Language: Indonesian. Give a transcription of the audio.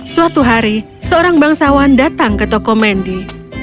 suatu hari seorang bangsawan datang ke toko mendy